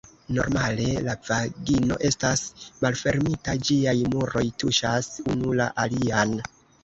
Normale la vagino estas malfermita, ĝiaj muroj tuŝas unu la alian.